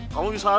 kamu bisa eh